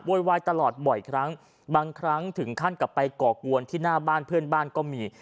วายตลอดบ่อยครั้งบางครั้งถึงขั้นกลับไปก่อกวนที่หน้าบ้านเพื่อนบ้านก็มี